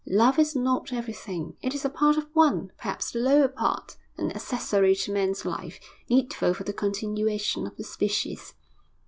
Love is not everything. It is a part of one perhaps the lower part an accessory to man's life, needful for the continuation of the species.'